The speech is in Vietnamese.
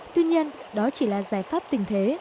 tuy nhiên đó chỉ là giải pháp tình thế